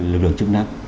lực lượng chức năng